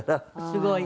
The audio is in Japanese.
すごい。